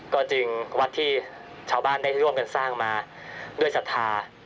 ก็จึงวัดที่ชาวบ้านได้ร่วมกันสร้างมาด้วยศรัทธา